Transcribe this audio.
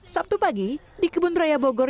sabtu pagi di kebun raya bogor